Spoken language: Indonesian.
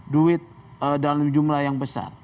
duit dalam jumlah yang besar